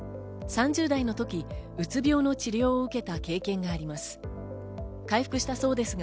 ３０代の時、うつ病の治療を受けた経験があります。